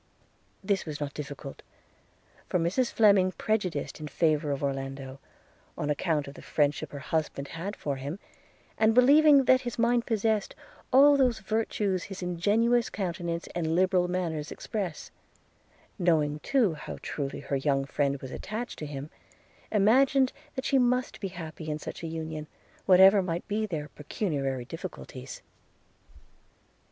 This was not difficult; for Mrs Fleming, prejudiced in favour of Orlando, on account of the friendship her husband had for him, and believing that his mind possessed all those virtues his ingenuous countenance and liberal manners express; – knowing too how truly her young friend was attached to him, imagined that she must be happy in such a union, whatever might be their pecuniary difficulties.